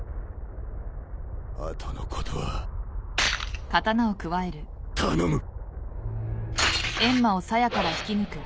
後のことは頼む！